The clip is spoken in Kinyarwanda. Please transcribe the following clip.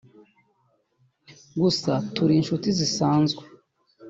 gusa turi inshuti zisanzwe